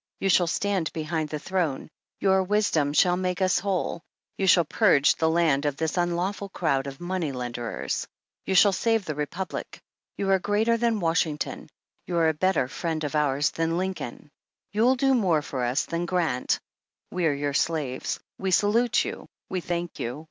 You shall stand behind the throne. Your wisdom shall make us whole. You shall purge the land of this un lawful crowd of money lenders. You shall save the Republic. You are greater than Washington. You're a better friend of ours than Lincoln. You'll do more fqr us than Grant. We're your slaves. We salute you. We thank you.